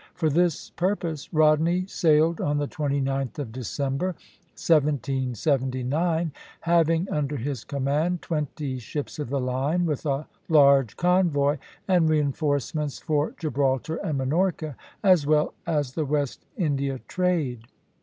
For this purpose, Rodney sailed on the 29th of December, 1779, having under his command twenty ships of the line with a large convoy and reinforcements for Gibraltar and Minorca, as well as the West India trade.